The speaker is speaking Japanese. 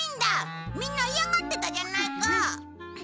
みんな嫌がってたじゃないか。